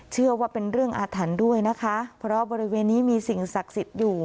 เชื่อว่าเป็นเรื่องอาถรรพ์ด้วยนะคะเพราะบริเวณนี้มีสิ่งศักดิ์สิทธิ์อยู่